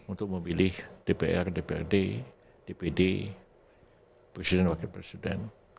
untuk memilih dpr dprd dpd presiden wakil presiden